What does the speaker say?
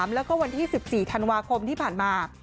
แล้วก็วันที่๑๔ธันวาคมที่ผ่านมา